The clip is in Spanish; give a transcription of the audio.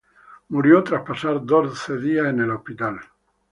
Murió tras pasar doce días en el hospital.